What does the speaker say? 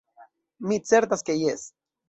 Mi certas ke jes.